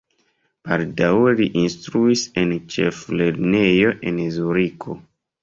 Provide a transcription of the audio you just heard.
Baldaŭe li instruis en ĉeflernejo en Zuriko.